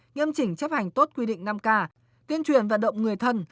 nghiêm chỉnh chấp hành tốt quy định năm k tuyên truyền vận động người thân